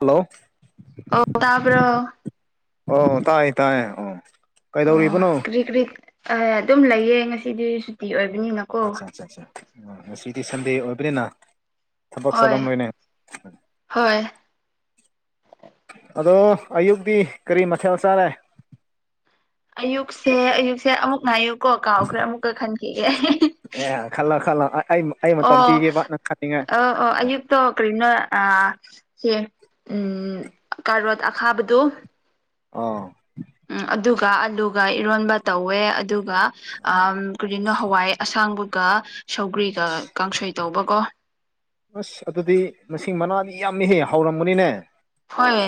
Hello ꯑꯣ ꯇꯥꯕꯔꯣ ꯑꯣ ꯇꯥꯏ ꯇꯥꯏꯌꯦ ꯑꯣ ꯑꯣ ꯀꯩꯗꯧꯔꯤꯕꯅꯣ ꯀꯔꯤ ꯀꯔꯤ ꯑ ꯑꯗꯨꯝ ꯂꯩꯌꯦ ꯉꯁꯤꯗꯤ ꯁꯨꯇꯤ ꯑꯣꯏꯕꯅꯤꯅ ꯑꯆꯥ ꯑꯆꯥ ꯑꯆꯥ ꯉꯁꯤꯗꯤ ꯁꯟꯗꯦ ꯑꯣꯏꯕ꯭ꯔꯅꯤꯅ ꯊꯕꯛ ꯍꯣꯏ ꯆꯠꯂꯝ ꯂꯣꯏꯅꯦ ꯍꯣꯏ ꯑꯗꯣ ꯑꯌꯨꯛꯗꯤ ꯀꯔꯤ ꯃꯊꯦꯜ ꯆꯥꯔꯦ ꯑꯌꯨꯛꯁꯦ ꯑꯌꯨꯛꯁꯦ ꯑꯃꯨꯛꯅ ꯑꯌꯨꯛ ꯀꯣ ꯀꯥꯎꯈ꯭ꯔꯦ ꯑꯃꯨꯛꯀ ꯈꯟꯈꯤꯒꯦ ꯑꯦ ꯈꯜꯂꯣ ꯈꯜꯂꯣ ꯑꯩ ꯑꯩ ꯃꯇꯝ ꯑꯣ ꯄꯤꯒꯦꯕ ꯅꯪ ꯈꯟꯅꯤꯡꯉꯥꯏ ꯑꯣ ꯑꯣ ꯑꯌꯨꯛ ꯇꯣ ꯀꯔꯤꯅꯣ ꯑ ꯁꯦ ꯎꯝ ꯀꯥꯔꯣꯠ ꯑꯈꯥꯕꯗꯣ ꯑꯥ ꯎꯝ ꯑꯗꯨꯒ ꯑꯂꯨꯒ ꯏꯔꯣꯟꯕ ꯇꯧꯋꯦ ꯑꯗꯨꯒ ꯑ ꯀꯔꯤꯅꯣ ꯍꯋꯥꯏ ꯑꯁꯥꯡꯕꯒ ꯁꯧꯒ꯭ꯔꯤꯒ ꯀꯥꯡꯁꯣꯏ ꯇꯧꯕꯀꯣ ꯑꯁ ꯑꯗꯨꯗꯤ ꯃꯁꯤꯡ ꯃꯅꯥꯗꯤ ꯌꯥꯝꯃꯤꯍꯦ ꯍꯥꯎꯔꯝꯒꯅꯤꯅꯦ ꯍꯣꯏ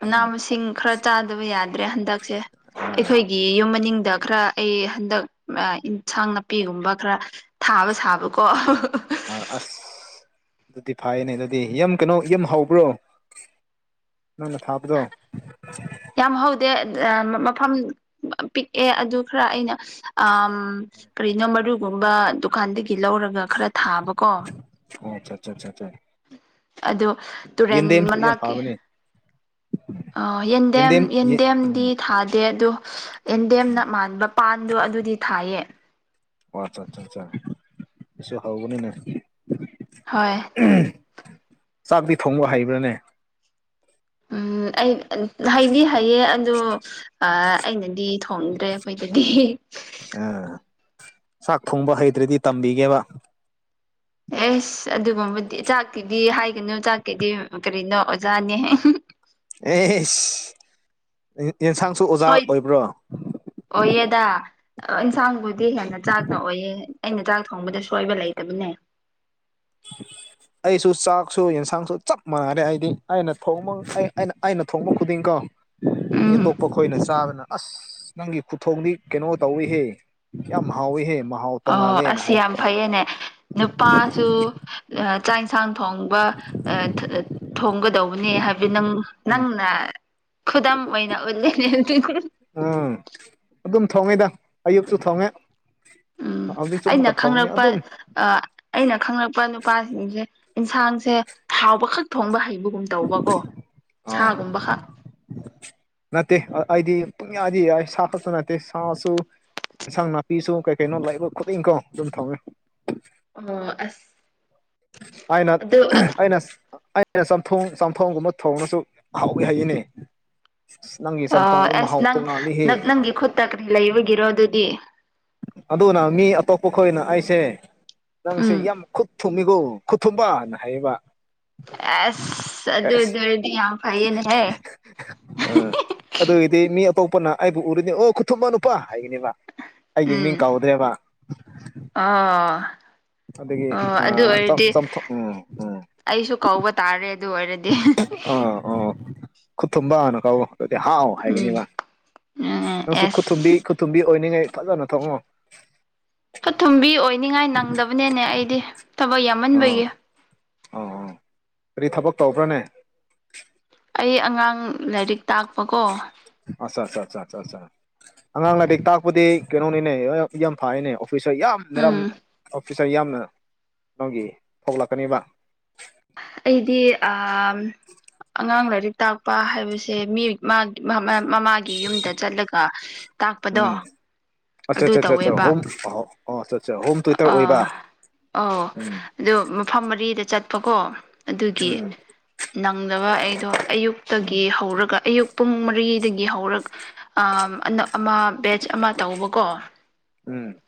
ꯃꯅꯥ ꯃꯁꯤꯡ ꯈꯔ ꯆꯥꯗꯕ ꯌꯥꯗ꯭ꯔꯦ ꯍꯟꯗꯛ ꯁꯦ ꯑꯥ ꯑꯈꯣꯏꯒꯤ ꯌꯨꯝ ꯃꯅꯤꯡꯗ ꯈꯔ ꯑꯩ ꯍꯟꯗꯛ ꯑ ꯏꯟꯁꯥꯡ ꯅꯥꯄꯤꯒꯨꯝꯕ ꯈꯔ ꯊꯥꯕ ꯁꯥꯕꯀꯣ ꯑꯥ ꯑꯁ ꯑꯗꯨꯗꯤ ꯐꯥꯏꯅꯦ ꯑꯗꯨꯗꯤ ꯌꯥꯝ ꯀꯩꯅꯣ ꯌꯝ ꯍꯧꯕ꯭ꯔꯣ? ꯅꯪꯅ ꯊꯥꯕꯗꯣ ꯌꯥꯝ ꯍꯧꯗꯦ ꯑ ꯃꯐꯝ ꯄꯤꯛꯑꯦ ꯑꯗꯨ ꯈꯔ ꯑꯩꯅ ꯑꯝ ꯀꯔꯤꯅꯣ ꯃꯔꯨꯒꯨꯝꯕ ꯗꯨꯀꯥꯟꯗꯒꯤ ꯂꯧꯔꯒ ꯈꯔ ꯊꯥꯕꯀꯣ ꯑꯣꯆꯥ ꯆꯥ ꯆꯥ ꯆꯥ ꯑꯗꯨ ꯇꯨꯔꯦꯟ ꯌꯥꯝ ꯃꯅꯥꯛꯀꯤ ꯐꯕꯅꯦ ꯑ ꯌꯦꯟꯗꯦꯝ ꯌꯦ ꯎꯝ ꯌꯦꯟꯗꯦꯝꯗꯤ ꯊꯥꯗꯦ ꯑꯗꯣ ꯑꯦꯟꯗꯦꯝꯅ ꯃꯥꯟꯕ ꯄꯥꯟꯗꯣ ꯑꯗꯨꯗꯤ ꯊꯥꯏꯌꯦ ꯑꯣ ꯆꯥꯆꯥꯆꯥ ꯁꯤꯁꯨ ꯍꯧꯕꯅꯤꯅꯦ ꯍꯣꯏ [unintelligible] ꯆꯥꯛꯇꯤ ꯊꯣꯡꯕ ꯍꯩꯕ꯭ꯔꯥꯅꯦ ꯎꯝ ꯑꯩ ꯍꯩꯗꯤ ꯍꯩꯌꯦ ꯑꯗꯣ ꯑ ꯑꯩꯅꯗꯤ ꯊꯣꯡꯗ꯭ꯔꯦ ꯈꯣꯏꯗꯗꯤ ꯑꯝ ꯆꯥꯛ ꯊꯣꯡꯕ ꯍꯩꯇ꯭ꯔꯗꯤ ꯇꯝꯕꯤꯒꯦꯕ ꯑꯦꯁ ꯑꯗꯨꯒꯨꯝꯕꯗꯤ ꯆꯥꯛꯀꯤꯗꯤ ꯍꯥꯏꯒꯅꯨ ꯆꯥꯛꯀꯤꯗꯤ ꯀꯔꯤꯅꯣ ꯑꯣꯖꯥꯅꯦ ꯑꯦꯁ ꯌꯦꯟꯁꯥꯡꯁꯨ ꯑꯣꯖꯥ ꯑꯣꯏꯕ꯭ꯔꯣ ꯑꯣꯏꯌꯦꯗꯥ ꯏꯟꯁꯥꯡꯕꯨꯗꯤ ꯍꯦꯟꯅ ꯆꯥꯛꯅ ꯑꯣꯏꯌꯦ ꯑꯩꯅ ꯆꯥꯛ ꯊꯣꯡꯕꯗ ꯁꯣꯏꯕ ꯂꯩꯇꯕꯅꯦ [inaudible] ꯑꯩꯁꯨ ꯆꯥꯛꯁꯨ ꯌꯦꯟꯁꯥꯡꯁꯨ ꯆꯞ ꯃꯥꯟꯅꯔꯦ ꯑꯩꯗꯤ ꯑꯩꯅ ꯊꯣꯡꯕ ꯑꯩ ꯑꯩꯅ ꯊꯣꯡꯕ ꯈꯨꯗꯤꯡꯀꯣ- ꯃꯤ ꯎꯝ ꯑꯇꯣꯞꯄ ꯈꯣꯏꯅ ꯆꯥꯕꯅ ꯑꯁ ꯅꯪꯒꯤ ꯈꯨꯊꯣꯡꯗꯤ ꯀꯩꯅꯣ ꯇꯧꯏꯤꯍꯦ ꯌꯥꯝ ꯍꯥꯎꯋꯤꯍꯦ ꯃꯥ ꯑꯣ ꯑꯁ ꯌꯥꯝ ꯐꯩꯌꯦꯅꯦ ꯅꯨꯄꯥꯁꯨ ꯆꯥꯛ ꯏꯟꯁꯥꯡ ꯊꯣꯡ ꯊꯣꯡꯉꯤ ꯊꯣꯡꯒꯗꯧꯕꯅꯦ ꯍꯥꯏꯕꯗꯤ ꯅꯪ ꯎꯝ ꯅꯪꯅ ꯈꯨꯗꯝ ꯑꯣꯏꯅ ꯎꯠꯂꯦ [unintelligible] ꯎꯝ ꯑꯗꯨꯝ ꯊꯣꯡꯉꯦꯗ ꯑꯌꯨꯛꯁꯨ ꯊꯣꯡꯉꯦ ꯎꯝ ꯍꯧꯖꯤꯛꯁꯨ ꯑꯩꯅ ꯑꯃꯨꯛꯀ ꯊꯣꯡꯅꯤ ꯑꯗꯨꯝ ꯈꯪꯔꯛꯄ ꯑꯩꯅ ꯈꯪꯂꯛꯄ ꯅꯨꯄꯥꯁꯤꯡꯁꯦ ꯏꯟꯁꯥꯡꯁꯦ ꯍꯥꯎꯕ ꯈꯛ ꯊꯣꯡꯕ ꯍꯩꯕꯒꯨꯝ ꯒꯨꯝ ꯇꯧꯕꯀꯣ ꯑꯥ ꯁꯥꯒꯨꯝꯕꯈꯛ ꯅꯠꯇꯦ ꯑꯩꯗꯤ ꯄꯨꯨꯡꯌꯥꯗꯤ ꯌꯥꯏ ꯁꯥ ꯈꯛꯇ ꯅꯠꯇꯦ ꯁꯥꯁꯨ ꯏꯟꯁꯥꯡ ꯅꯥꯄꯤꯁꯨ ꯀꯩ ꯀꯩꯅꯣ ꯂꯕ ꯈꯨꯗꯤꯡꯀꯣ ꯑꯗꯨꯝ ꯊꯧꯏ ꯑꯣ ꯑꯁ ꯑꯅ ꯑꯗꯨ ꯑꯩꯅ ꯑꯦ ꯆꯝꯊꯣꯡ ꯆꯝꯊꯣꯡꯒꯨꯝꯕ ꯊꯣꯡꯅꯁꯨ ꯍꯥꯎꯏꯤ ꯍꯩꯏꯅꯦ ꯑꯁ ꯅꯪꯒꯤ ꯆꯝꯊꯣꯡꯅꯤ ꯃꯍꯥꯎ ꯇꯣꯡꯅꯜꯂꯤꯍꯦ ꯇ ꯀꯔꯤ ꯂꯩꯕꯒꯤꯔꯣ ꯑꯗꯨꯗꯤ ꯑꯗꯨꯅ ꯃꯤ ꯑꯇꯣꯞꯄ ꯈꯣꯏꯅ ꯑꯩꯁꯦ ꯅꯪꯁꯦ ꯎꯝ ꯌꯥꯝ ꯈꯨꯠ ꯈꯨ ꯊꯨꯝꯃꯤꯒꯣ ꯈꯨꯊꯨꯝꯕꯅ ꯍꯥꯏꯌꯦꯕ ꯑꯁ ꯑꯗꯨ ꯑꯁ ꯑꯗꯨꯔꯗꯤ ꯌꯥꯝ ꯐꯩꯌꯦꯅꯦ ꯍꯦ ꯑꯥ ꯑꯗꯨꯒꯤꯗꯤ ꯃꯤ ꯑꯇꯣꯞꯄꯅ ꯑꯩꯕꯨ ꯎꯔꯤꯅꯤ ꯑꯣ ꯈꯨꯊꯨꯝꯃ ꯅꯨꯄꯥ ꯍꯥꯏꯒꯅꯦꯕ ꯑꯩꯒꯤ ꯃꯤꯡ ꯀꯥꯎꯗ꯭ꯔꯦꯕ ꯑꯥ ꯑꯗꯒꯤ ꯆꯥꯝꯊꯣꯛ ꯎꯝ ꯎꯝ ꯑꯩꯁꯨ ꯀꯧꯕ ꯇꯥꯔꯦ ꯑꯗꯨ ꯑꯣꯏꯔꯗꯤ ꯑꯣ ꯈꯨ ꯇꯨꯝꯕꯅ ꯀꯥꯎ ꯍꯥꯎ ꯍꯥꯏꯒꯅꯤ ꯎꯝ ꯋꯥ ꯎꯝ ꯅꯪꯁꯨꯨ ꯈꯨ ꯊꯨꯝꯕꯤ ꯑꯦꯁ ꯇꯨꯝꯕꯤ ꯑꯣꯏꯅꯤꯡꯉꯥꯏ ꯐꯖꯅ ꯊꯣꯡꯉꯣ ꯁ ꯊꯨꯝꯕꯤ ꯑꯣꯏꯅꯤꯡꯉꯥꯏ ꯅꯪꯗꯕꯅꯦꯅꯦ ꯑꯩꯗꯤ ꯊꯕꯛ ꯑꯥ ꯌꯥꯝꯃꯟꯕꯒꯤ ꯑꯥ ꯑꯥ ꯀꯔꯤ ꯊꯕꯛ ꯇꯧꯕ꯭ꯔꯅꯦ ꯑꯩ ꯑꯉꯥꯡ ꯂꯥꯏꯔꯤꯛ ꯇꯥꯛꯄꯀꯣ ꯑꯠ ꯑꯠ ꯑ ꯑ ꯑ ꯑꯉꯥꯡ ꯂꯥꯏꯔꯤꯛ ꯇꯥꯛꯄꯨꯗꯤ ꯀꯩꯅꯣꯅꯤꯅꯦ ꯍ ꯌꯥꯝ ꯐꯥꯏꯅꯦ ꯑꯣꯐꯤꯁ ꯌꯥꯝ ꯃꯦꯔꯝ ꯎꯝ ꯐꯤꯆꯔ ꯌꯥꯝꯅ ꯅꯪꯒꯤ ꯊꯣꯛꯂꯛꯀꯅꯦꯕ ꯑꯩꯗꯤ ꯑꯉꯥꯡ ꯂꯥꯏꯔꯤꯛ ꯇꯥꯛꯄ ꯍꯥꯏꯕꯁꯦ ꯃꯤꯑꯣ ꯃꯥꯒꯤ ꯃꯃꯥꯒꯤ ꯌꯨꯝꯗ ꯆꯠꯂꯒ ꯇꯥꯛꯄꯗꯣ ꯑꯆꯥ ꯑꯗꯨ ꯑ ꯑ ꯑ ꯇꯧꯋꯦꯕ ꯍꯣꯝ ꯑ ꯑꯣ ꯑ ꯑ ꯍꯣꯝ ꯇꯨ ꯏꯇꯔ ꯑꯣꯏꯕ ꯎꯝ ꯑꯗ ꯃꯐꯝ ꯃꯔꯤꯗ ꯆꯠꯄꯀꯣ ꯑꯗꯨꯒꯤ ꯎꯝ ꯅꯪꯗꯕ ꯑꯩꯗꯣ ꯎꯝ ꯑꯌꯨꯛꯇꯒꯤ ꯍꯧꯔꯒ ꯑꯌꯨꯛ ꯄꯨꯡ ꯃꯔꯤꯗꯒꯤ ꯍꯧꯔꯒ ꯑ ꯑꯃ ꯕꯦꯖ ꯑꯃ ꯇꯧꯕꯀꯣ ꯎꯝ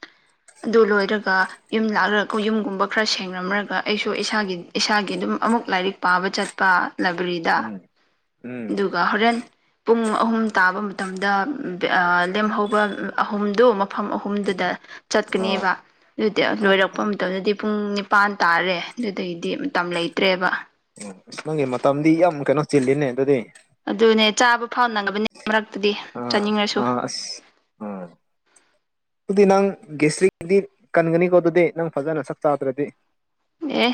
ꯑꯗꯨ ꯂꯣꯏꯔꯒ ꯌꯨꯝ ꯂꯥꯛꯂꯒ ꯌꯨꯝꯒꯨꯝꯕ ꯈꯔ ꯁꯦꯡꯡꯂꯝꯃꯔꯒ ꯑꯩꯁꯨ ꯏꯁꯥꯒꯤ ꯏꯁꯥꯒꯤ ꯑꯗꯨꯝ ꯑꯃꯨꯛ ꯂꯥꯏꯔꯤꯛ ꯄꯥꯕ ꯆꯠꯄ ꯂꯥꯏꯕ꯭ꯔꯦꯔꯤꯗ ꯎꯝ ꯎꯝ ꯑꯗꯨꯒ ꯍꯣꯔꯦꯟ ꯄꯨꯡ ꯑꯍꯨꯝ ꯇꯥꯕ ꯃꯇꯝꯗ ꯂꯦꯝꯍꯧꯕ ꯑꯍꯨꯝꯗꯨ ꯃꯐꯝ ꯑꯍꯨꯝꯗꯨꯗ ꯑꯥ ꯀꯅꯦꯕ ꯑꯗꯨꯗꯤ ꯑꯥ ꯂꯣꯏꯔꯛꯄ ꯃꯇꯝꯗꯗꯤ ꯄꯨꯡ ꯅꯤꯄꯥꯟ ꯇꯥꯔꯦ ꯑꯗꯨꯗꯒꯤꯗꯤ ꯃꯇꯝ ꯂꯩꯇ꯭ꯔꯦꯕ ꯑꯣ ꯑꯁ ꯅꯪꯒꯤ ꯃꯇꯝꯗꯤ ꯌꯥꯝ ꯀꯩꯅꯣ ꯆꯤꯜꯂꯤꯅꯦ ꯑꯗꯨꯗꯤ ꯑꯗꯨꯅꯦ ꯆꯥꯕ ꯐꯥꯎꯅꯉꯕꯅꯤ ꯃꯔꯛꯇꯗꯤ ꯆꯥꯅꯤꯡꯉꯁꯨ ꯑꯁ ꯎꯝ ꯑꯗꯨꯗꯤ ꯅꯪ ꯒꯦꯁꯇꯔꯤꯗꯤ ꯀꯟꯒꯅꯤꯀꯣ ꯑꯗꯨꯗꯤ ꯅꯪ ꯐꯖꯅ ꯁꯛ ꯆꯥꯗ꯭ꯔꯗꯤ ꯑꯦ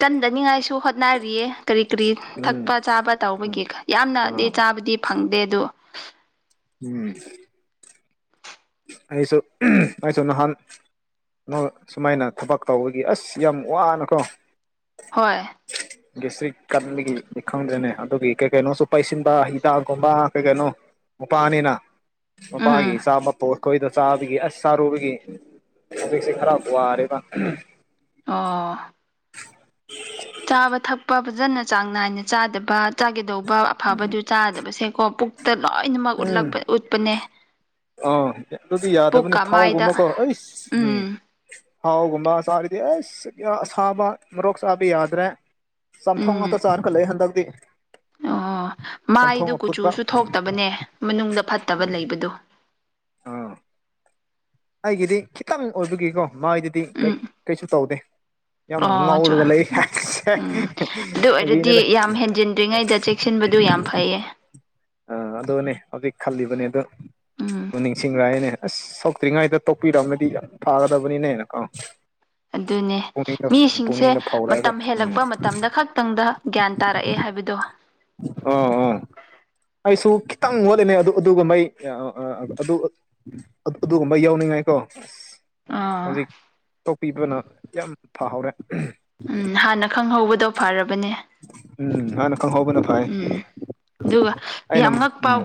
ꯀꯟꯗꯅꯤꯉꯥꯏꯁꯨ ꯍꯣꯠꯅꯔꯤꯌꯦ ꯀꯔꯤ ꯀꯔꯤ ꯎꯝ ꯊꯛꯄ ꯆꯥꯕ ꯎꯝ ꯇꯧꯕꯒꯤ ꯌꯥꯝꯅꯗꯤ ꯑꯥ ꯆꯥꯕꯗꯤ ꯐꯪꯗꯦ ꯑꯗꯣ ꯎꯝ ꯑꯩꯁꯨ ꯎꯝ ꯑꯩꯁꯨ ꯅꯍꯥꯟ ꯅꯣꯏ ꯁꯨꯃꯥꯏꯅ ꯊꯕꯛ ꯇꯧꯕꯒꯤ ꯑꯁ ꯌꯥꯝ ꯋꯥꯅꯀꯣ ꯍꯣꯏ [inaudible] ꯒꯦꯁꯇ꯭ꯔꯤꯛ ꯀꯟꯕꯒꯤꯅꯤ ꯈꯪꯗ꯭ꯔꯦꯅꯦ ꯑꯗꯨꯒꯤ ꯀꯩ ꯀꯩꯅꯣꯁꯨ ꯄꯩꯁꯤꯟꯕ ꯍꯤꯗꯥꯛꯒꯨꯝꯕ ꯀꯩ ꯀꯩꯅꯣ ꯃꯄꯥꯅꯤꯅ ꯃꯄꯥꯒꯤ ꯎꯝ ꯏꯆꯥ ꯃꯛ ꯋꯥꯈꯣꯏꯗ ꯆꯥꯕꯒꯤ ꯑꯁ ꯆꯔꯨꯕꯒꯤ ꯑꯩꯈꯣꯏꯁꯦ ꯈꯔ ꯋꯥꯔꯦꯗ ꯎꯝ ꯑ ꯆꯥꯕ ꯊꯛꯄ ꯐꯖꯅ ꯆꯥꯡ ꯅꯥꯏꯅ ꯆꯥꯗꯕ ꯆꯥꯒꯦꯗꯧꯕ ꯑꯐꯕꯗꯨ ꯆꯥꯗꯕꯁꯦꯀꯣ ꯄꯨꯛꯇ ꯂꯣꯏꯅꯃꯛ ꯎꯝ ꯎꯠꯂꯛꯄ ꯎꯠꯄꯅꯦ ꯑꯥ ꯑꯗꯨꯗꯤ ꯌꯥꯗꯕꯅꯤ ꯄꯨꯛꯀ ꯃꯥꯏꯗ ꯊꯥꯎꯒꯨꯝꯕꯀꯣ ꯑꯩꯁ ꯎꯝ ꯊꯥꯎꯒꯨꯝꯕ ꯆꯥꯔꯤꯗꯤ ꯑꯩꯁ ꯁꯥꯕ ꯃꯔꯣꯛ ꯆꯕꯤ ꯌꯥꯗ꯭ꯔꯦ ꯆꯝꯊꯣꯡ ꯎꯝ ꯉꯥꯛꯇ ꯆꯥꯔꯒꯥ ꯂꯩ ꯍꯟꯗꯛꯇꯤ ꯑꯣ ꯆꯝꯊꯣꯡ ꯃꯥꯏꯗꯨ ꯑꯐꯨꯠꯄ ꯀꯨꯆꯨꯁꯨ ꯊꯣꯛꯇꯕꯅꯦ ꯃꯅꯨꯡꯗ ꯐꯠꯇꯕ ꯂꯩꯕꯗꯨ ꯑꯥ ꯑꯩꯒꯤꯗꯤ ꯈꯤꯇꯪ ꯑꯣꯏꯕꯒꯤꯀꯣ ꯃꯥꯏꯗꯗꯤ ꯀꯩ ꯎꯝ ꯀꯩꯁꯨ ꯇꯧꯗꯦ ꯌꯥꯝ ꯑꯣ ꯆꯣ ꯉꯧꯔꯒ ꯂꯩ ꯎꯝ ꯑꯗꯨ ꯐꯥꯒꯤ ꯑꯣꯏꯔꯗꯤ ꯅꯠꯇꯦ ꯌꯥꯝ ꯍꯦꯟꯖꯤꯟꯗ꯭ꯔꯤꯉꯩꯗ ꯆꯦꯛꯁꯤꯟꯕꯗꯨ ꯌꯥꯝ ꯐꯩꯌꯦ ꯑꯥ ꯑꯗꯨꯅꯦ ꯍꯧꯖꯤꯛ ꯈꯜꯂꯤꯕꯅꯦ ꯑꯗꯣ ꯎꯝ ꯗꯨ ꯅꯤꯡꯁꯤꯡꯔꯑꯦꯅꯦ ꯑꯁ ꯁꯣꯛꯇ꯭ꯔꯤꯉꯩꯗ ꯇꯣꯛꯄꯤꯔꯝꯃꯥꯗꯤ ꯌꯥꯝ ꯐꯥꯒꯗꯕꯅꯤꯅꯦꯅ ꯀꯣ [inaudible] ꯑꯗꯨꯅꯦ ꯄꯨꯛꯅꯤꯡꯗ ꯃꯤꯁꯤꯡꯁꯦ ꯄꯨꯛꯅꯤꯡꯗ ꯐꯥꯎꯔꯛꯑꯒ ꯃꯇꯝ ꯎꯝ ꯍꯦꯜꯂꯛꯄ ꯃꯇꯝꯗ ꯈꯛꯇꯪꯗ ꯒ꯭ꯌꯥꯟ ꯇꯥꯔꯛꯑꯦ ꯍꯥꯏꯕꯗꯣ ꯑ ꯑ ꯑꯩꯁꯨ ꯈꯤꯇꯪ ꯋꯥꯠꯂꯤꯅꯦ ꯑꯗꯨ ꯑꯗꯨꯒꯨꯝꯕꯩ ꯑꯗꯨ ꯑꯗꯨꯒꯨꯝꯕꯩ ꯌꯥꯎꯅꯤꯡꯉꯥꯏ ꯀꯣ ꯑꯥ ꯍꯧꯖꯤꯛ ꯇꯣꯛꯄꯤꯕꯅ ꯌꯥꯝ ꯐꯥꯍꯧꯔꯦ ꯎꯝ ꯍꯥꯟꯅ ꯈꯪꯍꯧꯕꯗꯣ ꯐꯔꯕꯅꯦ ꯎꯝ ꯍꯥꯟꯅꯥ ꯈꯪꯍꯧꯕꯅꯥ ꯎꯝ ꯑꯗꯨꯒ ꯌꯥꯝ ꯉꯛꯄ ꯎꯝ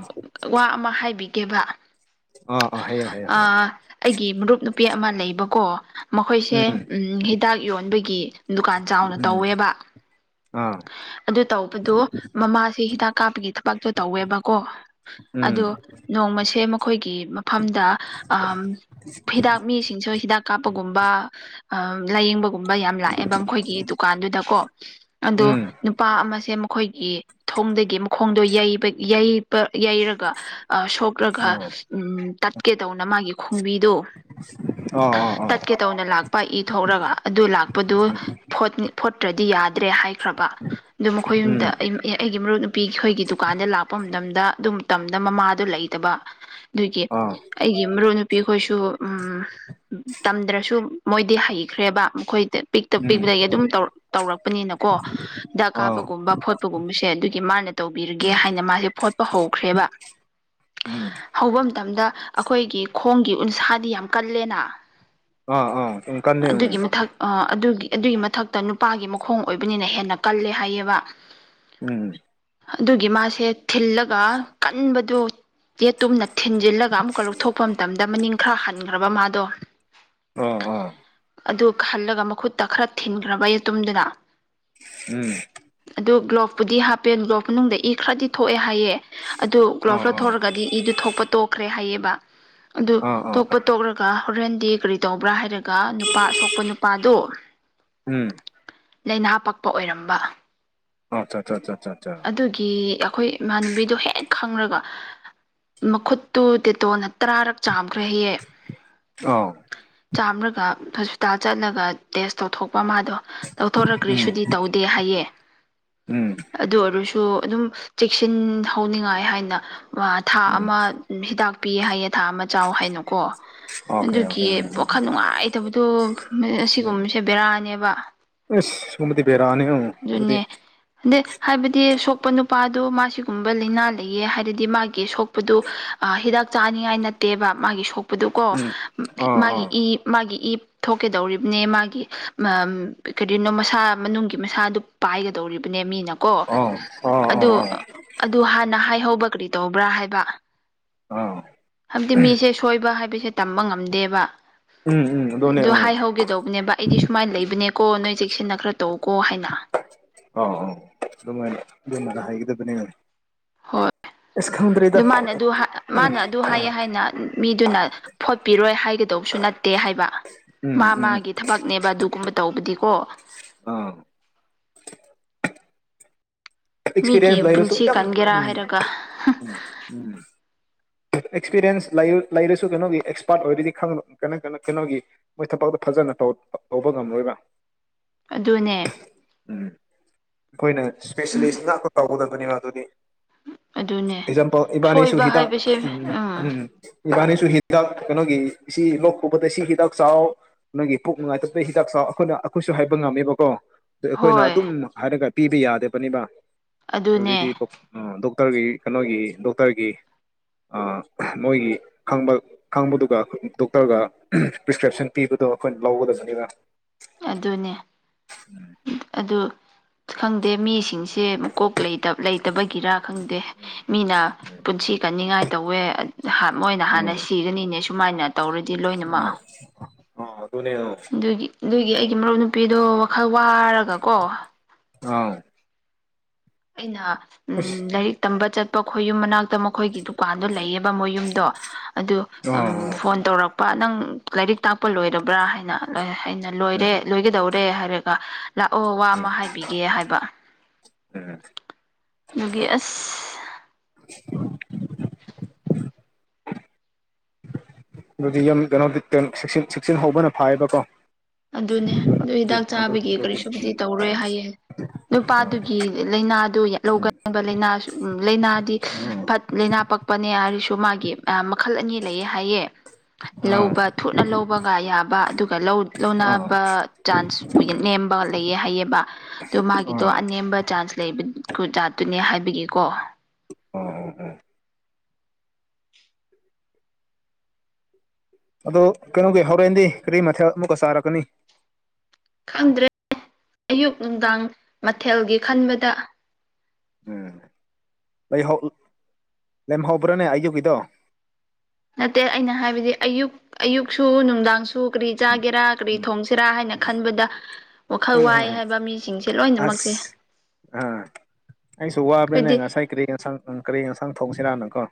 ꯋꯥ ꯑꯃ ꯍꯥꯏꯕꯤꯒꯦꯕ ꯑ ꯑ ꯍꯥꯏꯌꯣ ꯍꯥꯏꯌꯣ ꯑꯩꯒꯤ ꯃꯔꯨꯞ ꯅꯨꯄꯤ ꯑꯃ ꯂꯩꯕꯀꯣ ꯃꯈꯣꯏꯁꯦ ꯎꯝ ꯍꯤ ꯗꯥꯛ ꯌꯣꯟꯕꯒꯤ ꯗꯨꯀꯥꯟ ꯆꯥꯎꯅ ꯎꯝ ꯇꯧꯋꯦꯕ ꯑꯥ ꯑꯗꯨ ꯇꯧꯕꯗꯣ ꯃꯃꯥꯁꯦ ꯍꯤꯗꯥꯛ ꯀꯥꯞꯄꯒꯤ ꯊꯕꯛꯇꯣ ꯇꯧꯋꯦꯕꯀꯣ ꯎꯝ ꯑꯗꯨ ꯅꯣꯡꯃꯁꯦ ꯃꯈꯣꯏꯒꯤ ꯃꯐꯝꯗ ꯑꯃ ꯍꯤꯗꯥꯛ ꯃꯤꯁꯤꯡꯁꯨ ꯍꯤꯗꯥꯛ ꯀꯥꯞꯄꯒꯨꯝꯕ ꯑ ꯂꯥꯏꯌꯦꯡꯕ ꯨꯀꯨꯝꯕ ꯌꯥꯝ ꯂꯥꯛꯑꯦꯕ ꯃꯈꯣꯏꯒꯤ ꯗꯨꯀꯥꯟꯗꯨꯗꯀꯣ ꯑꯗꯣ ꯎꯝ ꯅꯨꯄꯥ ꯑꯃꯁꯦ ꯃꯈꯣꯏꯒꯤ ꯊꯣꯡꯗꯒꯤ ꯃꯈꯣꯡꯗꯣ ꯌꯩꯕ ꯌꯩ ꯞ ꯌꯩꯔꯒ ꯑ ꯁꯣꯛꯂꯒ ꯑ ꯇꯠꯀꯦ ꯇꯧꯅ ꯃꯥꯒꯤ ꯈꯣꯡꯕꯤꯗꯣ ꯑ ꯑ ꯑ ꯀꯦ ꯇꯧꯅ ꯂꯥꯛꯄ ꯏ ꯊꯣꯛꯂꯒ ꯑꯗꯨ ꯂꯥꯛꯄꯗꯨ ꯐꯣꯠꯇ꯭ꯔꯗꯤ ꯌꯥꯗ꯭ꯔꯦ ꯍꯥꯏ ꯈ꯭ꯔꯕ ꯑꯗꯨ ꯃꯈꯣꯏ ꯌꯨꯝꯗ ꯎꯝ ꯑꯩꯒꯤ ꯃꯔꯨꯞ ꯅꯨꯄꯤ ꯑꯩꯈꯣꯏꯒꯤ ꯗꯨꯀꯥꯟꯗ ꯂꯥꯛꯄ ꯃꯇꯝꯗ ꯑꯗꯨꯝ ꯃꯇꯝꯗ ꯃꯃꯥꯗꯨ ꯂꯩꯇꯕ ꯑꯗꯨꯒꯤ ꯑꯥ ꯑꯩꯒꯤ ꯃꯔꯨꯞ ꯅꯨ ꯄꯤꯈꯣꯏꯁꯨ ꯎꯝ ꯇꯝꯗ꯭ꯔꯁꯨ ꯃꯣꯏꯗꯤ ꯍꯩꯈ꯭ꯔꯦꯕ ꯃꯈꯣꯏꯗ ꯄꯤꯛꯇ ꯎꯝ ꯄꯤꯛꯅꯒꯤ ꯑꯗꯨꯝ ꯇꯧꯔꯛ ꯇꯧꯔꯛꯄꯅꯤꯅꯀꯣ ꯍꯤꯗꯥꯛ ꯀꯥꯞꯄꯀꯣ ꯑꯥ ꯒꯨꯝꯕ ꯐꯣꯠꯄꯒꯨꯝꯕꯁꯦ ꯑꯗꯨꯒꯤ ꯃꯥꯅ ꯇꯧꯕꯤꯔꯒꯦ ꯍꯥꯏꯅ ꯃꯥꯁꯦ ꯐꯣꯠꯄ ꯍꯧꯈ꯭ꯔꯦꯕ ꯎꯝ ꯍꯧꯕ ꯃꯇꯝꯗ ꯑꯈꯣꯏꯒꯤ ꯈꯣꯡꯒꯤ ꯎꯟꯁꯥꯗꯤ ꯌꯥꯝ ꯀꯜꯂꯦꯅ ꯑꯥ ꯑꯥ ꯁꯨꯃ ꯀꯟꯅꯤ ꯎꯝ ꯑꯗꯨꯒꯤ ꯃꯊꯛ ꯑꯗꯨꯒꯤ ꯑꯗꯨꯒꯤ ꯃꯊꯛꯇ ꯅꯨꯄꯥꯒꯤ ꯃꯈꯣꯡ ꯑꯣꯏꯕꯅꯤꯅ ꯍꯦꯟꯅ ꯀꯜꯂꯦ ꯍꯥꯏꯌꯦꯕ ꯎꯝ ꯑꯗꯨꯒꯤ ꯃꯥꯁꯦ ꯊꯤꯜꯂꯒ ꯀꯟꯕꯗꯨ ꯌꯦꯦ ꯇꯨꯝꯅ ꯊꯤꯟꯖꯤꯜꯂꯒ ꯑꯃꯨꯛꯀ ꯂꯧꯊꯣꯛꯄ ꯃꯇꯝꯗ ꯃꯅꯤꯡ ꯈꯔ ꯍꯟꯈ꯭ꯔꯕ ꯃꯥꯗꯣ ꯑꯣ ꯑꯗꯨ ꯈꯜꯂꯒ ꯃꯈꯨꯠꯇ ꯈꯔ ꯊꯤꯟꯈ꯭ꯔꯕ ꯌꯇꯨꯝꯗꯨꯗ ꯎꯝ ꯑꯗꯨ ꯒ꯭ꯂꯣꯞꯄꯨꯗꯤ ꯍꯥꯞꯄꯦ ꯒ꯭ꯂꯣꯞ ꯃꯅꯨꯡꯗ ꯏ ꯈꯔꯗꯤ ꯊꯣꯛꯑꯦ ꯍꯥꯏꯌꯦ ꯑꯗꯨ ꯑꯥ ꯒ꯭ꯂꯣꯞ꯭ꯂ ꯑꯥ ꯊꯔꯒꯗꯤ ꯏꯗꯨ ꯊꯣꯛꯄ ꯇꯣꯛꯈ꯭ꯔꯦ ꯍꯥꯏꯑꯕ ꯑꯗꯨ ꯑꯥ ꯑꯥ ꯊꯣꯛꯄ ꯍꯥ ꯇꯣꯛꯂꯒ ꯍꯣꯔꯦꯟꯗꯤ ꯀꯔꯤ ꯇꯧꯕ꯭ꯔꯥ ꯍꯥꯏꯔꯒ ꯅꯨꯄꯥ ꯑꯁꯣꯛꯄ ꯅꯨꯄꯥꯗꯣ ꯎꯝ ꯂꯥꯏꯅꯥ ꯄꯛꯄ ꯑꯣꯏꯔꯝꯕ ꯑꯆꯥ ꯑꯆꯥꯆꯥꯆꯥꯆꯥ ꯑꯗꯨꯒꯤ ꯑꯩꯈꯣꯏ ꯏꯃꯥꯟꯅꯕꯤꯗꯨ ꯍꯦꯛ ꯈꯪꯔꯒ ꯃꯈꯨꯠꯇꯨ ꯇꯦꯇꯣꯅ ꯇꯔꯥꯔꯛ ꯆꯥꯝꯈ꯭ꯔ ꯍꯍ ꯑꯥ ꯆꯥꯝ꯭ꯔꯒ ꯍꯣꯁꯄꯤꯇꯥꯜ ꯆꯠꯂꯒ ꯇꯦꯁ ꯇꯧꯊꯣꯛꯄ ꯃꯥꯗꯣ ꯇꯧꯊꯣꯔꯛꯈ꯭ꯔꯔꯤ ꯎꯝ ꯁꯨꯗꯤ ꯇꯧꯗꯦ ꯍꯥꯏꯌꯦ ꯎꯝ ꯑꯗꯨ ꯑꯣꯏꯔꯁꯨ ꯑꯗꯨꯝ ꯆꯦꯛꯁꯤꯟꯍꯧꯅꯤꯡꯉꯥꯏ ꯍꯥꯏꯅ ꯊꯥ ꯎꯝ ꯑꯃ ꯍꯤꯗꯥꯛ ꯄꯤꯌꯦ ꯍꯥꯏꯌꯦ ꯊꯥ ꯑꯃ ꯆꯥꯎ ꯍꯥꯏꯅꯨꯀꯣ ꯑꯣꯀꯦ ꯑꯣꯀꯦ ꯑꯗꯨꯒꯤ ꯎꯝ ꯄꯣꯈꯜ ꯅꯨꯡꯉꯥꯏꯇꯕꯗꯣ ꯑꯁꯤꯒꯨꯝꯕꯁꯦ ꯕꯦꯔꯥꯅꯦꯕ ꯑ ꯁꯨꯝꯕꯗꯤꯕꯔꯑꯅꯤ ꯑꯪ ꯑꯗꯨꯅꯦ ꯑꯗꯩ ꯍꯥꯏꯕꯗꯤ ꯁꯣꯛꯄ ꯅꯨꯄꯥꯗꯣ ꯃꯥ ꯁꯤꯒꯨꯝꯕ ꯂꯥꯏꯅꯥ ꯂꯩꯌꯦ ꯍꯥꯏꯔꯗꯤ ꯃꯥꯒꯤ ꯁ ꯁꯣꯛꯄꯗꯨ ꯍꯤꯗꯥꯛ ꯆꯥꯅꯤꯡꯉꯥꯏ ꯅꯠꯇꯦꯕ ꯃꯥꯒꯤ ꯁꯣꯛꯄꯗꯨꯀꯣ ꯎꯝ ꯑꯥ ꯃꯥꯒꯤ ꯑꯥ ꯏ ꯃꯥꯒꯤ ꯏ ꯊꯣꯛꯀꯗꯧꯔꯤꯕꯅꯦ ꯃꯥꯒꯤ ꯀꯩꯔꯤꯅꯣ ꯃꯁꯥ ꯃꯅꯨꯡꯗ ꯃꯁꯥꯗꯨ ꯄꯥꯏꯒꯗꯧꯔꯤꯕꯅꯦ ꯃꯤꯅꯀꯣ ꯑꯥ ꯑ ꯑꯥ ꯑꯥ ꯑꯥ ꯑꯗꯨ ꯍꯥꯟꯅ ꯍꯥꯏꯍꯧꯕ ꯀꯔꯤ ꯇꯧꯕ꯭ꯔꯥ ꯍꯥꯏꯕ ꯑꯥ ꯍꯥꯏꯕꯗꯤ ꯃꯤꯁꯦ ꯁꯣꯏꯕ ꯍꯥꯏꯕꯁꯦ ꯇꯝꯕ ꯉꯝꯗꯦꯕ ꯎꯝ ꯎꯝ ꯑꯗꯨꯅꯦ ꯑꯗ ꯑꯥ ꯍꯥꯏꯍꯧꯒꯦꯗꯧꯕꯅꯦꯕ ꯑꯩꯗꯤ ꯁꯨꯃꯥꯏꯅ ꯂꯩꯕꯅꯦꯀꯣ ꯅꯣꯏ ꯆꯦꯛꯁꯤꯟꯅ ꯈꯔ ꯇꯧ ꯀꯣ ꯍꯥꯏꯅ ꯑꯥꯎ ꯑꯥꯎ ꯑꯗꯨꯃꯥꯏꯅ ꯑꯗꯨꯃꯥꯏꯅ ꯍꯥꯏꯒꯗꯕꯅꯦ ꯍꯣꯏ ꯑꯁ ꯈꯪꯗ꯭ꯔꯦꯗ ꯑꯗꯨ ꯃꯥꯅ ꯑꯗꯨ ꯎꯝ ꯃꯥꯅ ꯑꯗꯨ ꯍꯥꯏꯑ ꯍꯥꯏꯅ ꯃꯤꯗꯨꯅ ꯐꯣꯠꯄꯤꯔꯣꯏ ꯍꯥꯏ ꯇꯧꯁꯨ ꯅꯠꯇꯦ ꯍꯥꯏꯕ ꯎꯝ ꯃꯥ ꯎꯝ ꯃꯥꯒꯤ ꯊꯕꯛꯅꯦꯕ ꯑꯗꯨꯒꯨꯝꯕ ꯇꯧꯕꯗꯤꯀꯣ ꯑꯥ ꯃꯤꯒꯤ ꯑꯦꯛꯁꯄꯤꯔꯤꯌꯦꯟꯁ ꯂꯩꯏꯔꯁꯨꯝ ꯄꯨꯟꯁꯤ ꯎꯝ ꯀꯟꯒꯦꯔꯥ ꯍꯥꯏꯔꯒ ꯎꯝ ꯎꯝ ꯑꯦꯛꯁꯄꯤꯔꯤꯌꯦꯟꯁ ꯂꯩꯔꯁꯨ ꯀꯩꯅꯣꯒꯤ ꯑꯦꯛꯁꯄꯥꯔꯠ ꯑꯣꯏꯔꯗꯤ ꯀ ꯀ ꯀꯩꯅꯣꯒꯤ ꯃꯣꯏ ꯊꯕꯛꯇ ꯐꯖꯅ ꯇꯧꯕ ꯉꯝꯂꯣꯏꯕ꯭ꯔꯥ ꯑꯗꯨꯅꯦ ꯎꯝ ꯑꯩꯈꯣꯏꯅ ꯏꯁꯄꯦꯁꯦꯂꯤꯁ ꯉꯥꯛꯄ ꯇꯧꯒꯗꯕꯅꯦꯕ ꯑꯗꯨꯗꯤ ꯑꯗꯨꯅꯦ ꯏꯖꯝꯄ ꯏꯕꯥꯅꯤꯁꯨ ꯁꯣꯏꯕ ꯍꯤꯇꯥ ꯍꯥꯏꯕꯁꯦ ꯎꯝ ꯎꯝ ꯏꯕꯥꯅꯤꯁꯨ ꯍꯤꯗꯥꯛ ꯀꯩꯅꯣꯒꯤ ꯁꯤ ꯂꯣꯛ ꯈꯨꯕꯗ ꯁꯤ ꯍꯤꯗꯥꯛ ꯆꯥꯎ ꯅꯪꯒꯤ ꯄꯨꯣꯛ ꯅꯨꯡꯉꯥꯏꯇꯕꯩ ꯍꯤꯗꯥꯛ ꯆꯥꯎ ꯑꯩꯈꯣꯏꯅ ꯑꯩꯈꯣꯏꯁꯨ ꯍꯥꯏꯕ ꯉꯝꯃꯦꯕꯀꯣ ꯑꯗꯨ ꯑꯩꯈꯣꯏꯅ ꯍꯣꯏ ꯑꯗꯨꯝ ꯍꯥꯏꯔꯒ ꯄꯤꯕ ꯌꯥꯗꯕꯅꯤꯕ ꯑꯗꯨꯗꯤ ꯑꯗꯨꯅꯦ ꯑꯣ ꯗꯣꯛꯇꯔꯒꯤ ꯀꯩꯅꯣꯒꯤ ꯗꯣꯛꯇꯔꯒꯤ ꯃꯣꯏꯒꯤ ꯈꯪꯕ ꯈꯪꯕꯗꯨꯒ ꯗꯣꯛꯇꯔꯒ ꯄ꯭ꯔꯤꯁꯀ꯭ꯔꯤꯞꯁꯟ ꯄꯤꯕꯗꯣ ꯑꯩꯈꯣꯏꯅ ꯂꯧꯒꯗꯕꯅꯤꯅ ꯑꯗꯨꯅꯦ ꯑꯗꯨ ꯈꯪꯗꯦ ꯃꯤꯁꯤꯡꯁꯦ ꯃꯀꯣꯛ ꯂꯩ ꯂꯩꯇꯕꯒꯤꯔꯥ ꯈꯪꯗꯦ ꯃꯤꯅ ꯄꯨꯟꯁꯤ ꯀꯟꯅꯤꯡꯉꯥꯏ ꯇꯧꯋꯦ ꯃꯣꯏꯅ ꯍꯥꯟꯅ ꯁꯤꯒꯅꯤꯅꯦ ꯁꯨꯃꯥꯏꯅ ꯇꯧꯔꯗꯤ ꯂꯣꯏꯅꯃꯛ ꯑ ꯑꯗꯨꯅꯦ ꯑꯗꯨꯒꯤ ꯑꯗꯨꯒꯤ ꯑꯩꯒꯤ ꯃꯔꯨꯞ ꯅꯨꯄꯤꯗꯣ ꯋꯥꯈꯜ ꯋꯥꯔꯒꯀꯣ ꯑꯥꯎ ꯑꯩꯅ ꯑꯁ ꯎꯝ ꯂꯥꯏꯔꯤꯛ ꯇꯝꯕ ꯆꯠꯄ ꯈꯣꯏ ꯌꯨꯝ ꯃꯅꯥꯛꯇ ꯃꯈꯣꯏꯒꯤꯗꯨ ꯗꯨꯀꯥꯟꯗꯣ ꯂꯩꯌꯦꯕ ꯃꯣꯏ ꯌꯨꯝꯗꯣ ꯑꯗꯨ ꯑꯝ ꯑꯣ ꯐꯣꯟ ꯇꯧꯔꯛꯄ ꯅꯪ ꯂꯥꯏꯔꯤꯛ ꯇꯥꯛꯄ ꯂꯣꯏꯔꯕ꯭ꯔꯥ ꯍꯥꯏꯅ ꯑꯩꯅ ꯂꯣꯏꯔꯦ ꯎꯝ ꯂꯣꯏꯒꯗꯧꯔꯦ ꯔꯦ ꯍꯥꯏꯔꯒ ꯂꯥꯛꯑꯣ ꯋꯥ ꯎꯝ ꯑꯃ ꯍꯥꯏꯕꯤꯒꯦ ꯍꯥꯏꯕ ꯎꯝ ꯑꯗꯨꯒꯤ ꯑꯁ [unintelligible] ꯑꯗꯨꯗꯤ ꯌꯥꯝ ꯀꯩꯅꯣꯗꯤ ꯁꯦꯛꯁꯟ ꯁꯦꯛꯁꯟ ꯍꯧꯕꯅ ꯐꯥꯏꯌꯦꯕꯀꯣ ꯑꯗꯨꯅꯦ ꯑꯗꯨ ꯍꯤꯗꯥꯛ ꯑꯗꯨ ꯆꯥꯕꯒꯤ ꯑꯗꯨꯗꯤ ꯀꯔꯤꯁꯨꯕꯨꯗꯤ ꯎꯝ ꯇꯧꯔꯣꯏ ꯍꯥꯏꯌꯦ ꯅꯨꯄꯥꯗꯨꯒꯤ ꯂꯩꯅꯥꯗꯨ ꯎꯝ ꯂꯧꯒꯟꯕ ꯂꯩꯅꯥꯁꯨ ꯎꯝ ꯂꯩꯅꯥꯗꯤ ꯐꯠ ꯂꯩꯅꯥ ꯄꯛꯄꯅꯦ ꯍꯥꯏꯔꯁꯨ ꯃꯥꯒꯤ ꯃꯈꯜ ꯑꯅꯤ ꯂꯩꯌꯦ ꯍꯥꯏꯌꯦ ꯑꯥ ꯂꯧꯕ ꯊꯨꯅ ꯂꯧꯕꯒ ꯌꯥꯕ ꯑꯗꯨꯒ ꯂꯧ ꯑꯥ ꯂꯧꯅꯕ ꯆꯥꯟꯁ ꯅꯦꯝꯕ ꯂꯩꯌꯦ ꯍꯥꯏꯌꯦꯕ ꯑꯗꯨ ꯃꯥꯒꯤꯗꯣ ꯑꯅꯦꯝꯕ ꯆꯥꯟꯁ ꯂꯩꯕ ꯖꯥꯠꯇꯨꯅꯦ ꯍꯥꯏꯕꯒꯤꯀꯣ ꯎꯝ ꯎꯝ [inaudible] ꯑꯗꯣ ꯀꯩꯅꯣꯒꯤ ꯍꯣꯔꯦꯟꯗꯤ ꯀꯔꯤ ꯃꯊꯦꯜ ꯑꯃꯨꯛꯀ ꯆꯥꯔꯀꯅꯤ ꯈꯪꯗ꯭ꯔꯦ ꯑꯌꯨꯛ ꯅꯨꯡꯗꯥꯡ ꯃꯊꯦꯜꯒꯤ ꯈꯟꯕꯗ ꯎꯝ ꯂꯩꯍꯧ ꯂꯦꯝꯍꯧꯕ꯭ꯔꯥꯅꯦ ꯑꯌꯨꯛꯀꯤꯗꯣ ꯅꯠꯇꯦ ꯑꯩꯅ ꯍꯥꯏꯕꯗꯤ ꯑꯌꯨꯛ ꯑꯌꯨꯛꯁꯨ ꯅꯨꯡꯗꯥꯡꯁꯨ ꯁꯨ ꯀꯔꯤ ꯆꯥꯒꯦꯔꯥ ꯀꯔꯤ ꯊꯣꯡꯁꯤꯔꯥ ꯍꯥꯏꯅ ꯈꯟꯕꯗ ꯋꯥꯈꯜ ꯋꯥꯏ ꯍꯥꯏꯕ ꯃꯤꯁꯤꯡꯁꯦ ꯑꯁ ꯂꯣꯏꯅꯃꯛꯁꯦ ꯑꯥ ꯑꯩꯁꯨ ꯋꯥꯕꯅꯦ ꯑꯩꯈꯣꯏꯗꯤ ꯉꯁꯥꯏ ꯀꯔꯤ ꯌꯦꯟꯁꯥꯡ ꯀꯔꯤ ꯌꯦꯟꯁꯥꯡ ꯊꯣꯡꯁꯤꯔꯥꯅꯀꯣ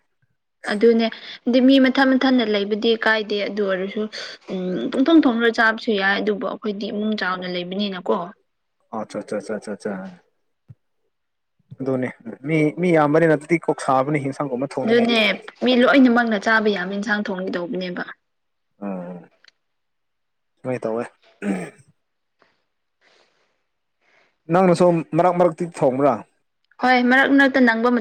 ꯑꯗꯨꯅꯦ ꯑꯗꯤ ꯃꯤ ꯃꯊꯟ ꯃꯊꯟꯅ ꯂꯩꯕꯗꯤ ꯀꯥꯏꯗꯦ ꯑꯗꯨ ꯑꯣꯏꯔꯁꯨ ꯎꯝ ꯄꯨꯡꯊꯣꯡ ꯊꯣꯡꯂ ꯆꯥꯕꯁꯨ ꯌꯥꯏ ꯑꯗꯨꯕꯨ ꯑꯩꯈꯣꯏꯗꯤ ꯏꯃꯨꯡ ꯆꯥꯎꯅ ꯂꯩꯕꯅꯤꯅꯀꯣ ꯑꯆꯥ ꯆꯥꯆꯥꯆꯥ ꯑꯗꯨꯅꯦ ꯃꯤ ꯃꯤ ꯌꯥꯝꯕꯅꯤꯅ ꯐꯤꯔꯤ ꯀꯣꯛꯁꯥꯕꯅꯤ ꯍꯤꯟꯁꯥꯡꯒꯨꯝ ꯑꯗꯨꯅꯦ ꯃꯤ ꯂꯣꯏꯅꯃꯛꯅ ꯆꯥꯕ ꯌꯥꯕ ꯑꯦꯟꯁꯥꯡ ꯊꯣꯡꯒꯦꯇꯧꯕꯅꯦꯕ ꯎꯝ ꯅꯣꯏ ꯇꯧꯑꯦ ꯅꯪꯅ ꯁꯣ ꯃꯔꯛ ꯃꯔꯛꯇꯤ ꯊꯣꯡꯕ꯭ꯔꯥ ꯍꯣꯏ ꯃꯔꯛ ꯃꯔꯛꯇ ꯅꯪꯕ ꯃ